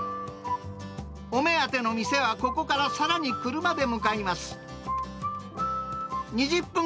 お目当ての店は、ここからさらに車で向かいます。